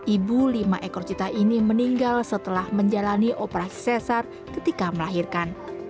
ibu lima ekor cita ini meninggal setelah menjalani operasi sesar ketika melahirkan